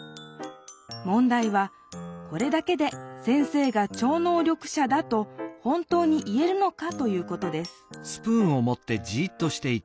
問題はこれだけで先生が超能力者だと本当に言えるのかということです